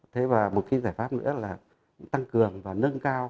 thế và một cái giải pháp nữa là tăng cường và nâng cao